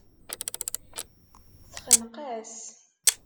Texneq-as.